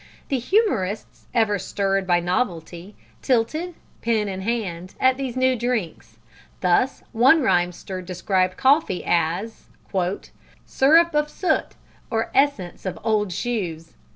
The humorists, ever stirred by novelty, tilted, pen in hand, at these new drinks: thus one rhymster described coffee as "Syrrop of soot or essence of old shoes."